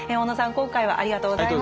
今回はありがとうございました。